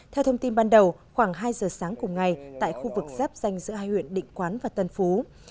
theo thông tin ban đầu khoảng hai giờ sáng cùng ngày tại khu vực giáp danh giữa hai huyện định quán và tân phú